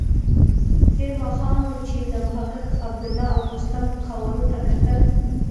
تېر ماښام مې چې د محقق، عبدالله او دوستم قوارو ته کتل.